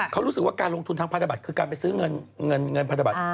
เขารู้สึกว่าการลงทุนทางพันธบัตรคือการไปซื้อเงินพันธบัตร